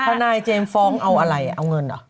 ทนายเจมส์ฟ้องเอาอะไรเอาเงินเหรอ